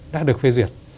đã được phê duyệt